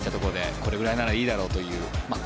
これぐらいならいいだろうと。